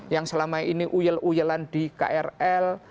yang selama ini uyal uyalan di krl